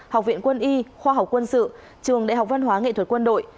học viện quân y khoa học quân sự trường đại học văn hóa nghệ thuật quân đội